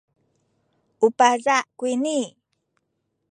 u paza’ kuyni.